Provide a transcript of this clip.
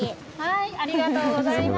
ありがとうございます。